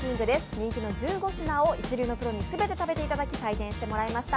人気の１５品を、一流のプロに全て食べていただき、採点していただきました。